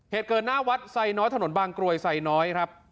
เหตุเกิดหน้าวัดไซน้อยถนนบางกรวยไซน้อยครับ